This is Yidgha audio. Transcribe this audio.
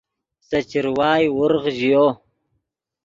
سے چروائے ورغ ژیو